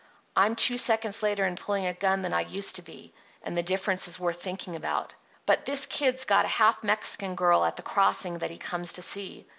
I'm two seconds later in pulling a gun than I used to be, and the difference is worth thinking about. But this Kid's got a half Mexican girl at the Crossing that he comes to see.